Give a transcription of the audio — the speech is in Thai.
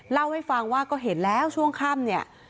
เล่าให้ฟังว่าก็เห็นแล้วช่วงค่ำเนี่ย